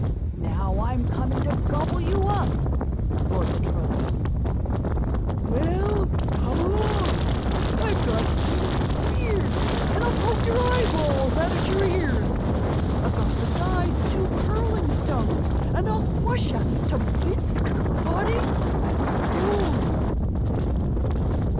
"Now, I'm coming to gobble you up," roared the Troll. "Well, come along! I've got two spears, And I'll poke your eyeballs out at your ears; I've got besides two curling stones, And I'll crush you to bits, body and bones."